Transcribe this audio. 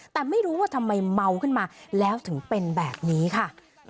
แต่ไม่รู้ว่าทำไมเมาขึ้นมาแล้วถึงเป็นแบบนี้ค่ะ